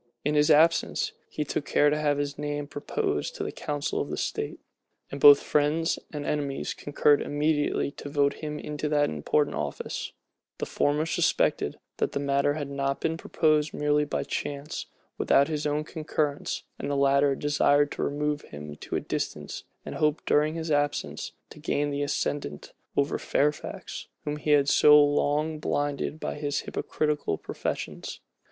In his absence, he took care to have his name proposed to the council of state; and both friends and enemies concurred immediately to vote him into that important office: the former suspected, that the matter had not been proposed merely by chance, without his own concurrence; the latter desired to remove him to a distance, and hoped, during his absence, to gain the ascendant over Fairfax, whom he had so long blinded by his hypocritical professions.